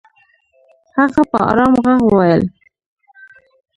هغه په ارام ږغ وويل.